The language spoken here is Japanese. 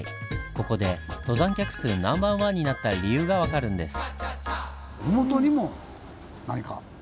ここで登山客数ナンバーワンになった理由が分かるんです。